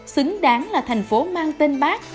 xứng đáng là thành phố mang tên bác